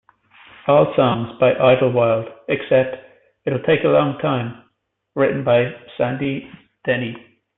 All songs by Idlewild except "It'll Take A Long Time," written by Sandy Denny.